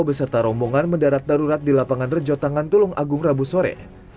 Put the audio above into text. beserta rombongan mendarat darurat di lapangan rejo tangan tulung agung rabu sore